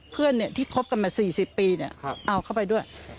เพื่อนที่คบกันมา๔๐ปีเอาเข้าไปด้วย